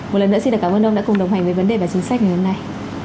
một lần nữa xin cảm ơn ông đã cùng đồng hành với vấn đề và chính sách ngày hôm nay